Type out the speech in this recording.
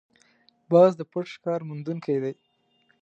باز د پټ ښکار موندونکی دی